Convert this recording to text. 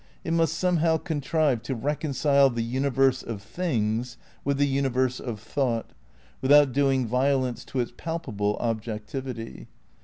It must somehow contrive to reconcile the universe of things with the universe of thought, without doing violence to its palpable objectivity.